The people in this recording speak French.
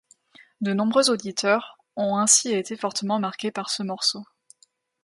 De nombreux auditeurs ont ainsi été fortement marqués par ce morceau.